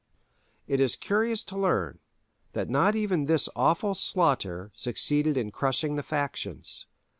It is curious to learn that not even this awful slaughter succeeded in crushing the factions.